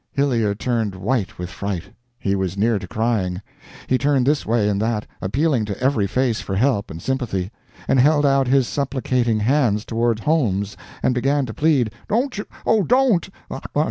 Hillyer turned white with fright. He was near to crying. He turned this way and that, appealing to every face for help and sympathy; and held out his supplicating hands toward Holmes and began to plead, "Don't, oh, don't!